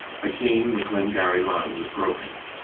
Again the Glengarry line was broken.